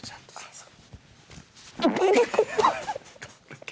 そう。